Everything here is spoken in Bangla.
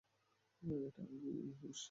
এটা আমি, হশিকো।